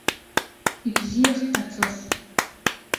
Ибзиахт аҵыс.